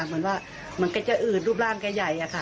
เหมือนว่าเหมือนแก่จะอืดรูปร่างแก่ใหญ่ค่ะ